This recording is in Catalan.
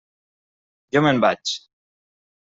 Jo me'n vaig.